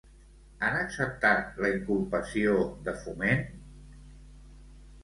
Han acceptat la inculpació de Foment?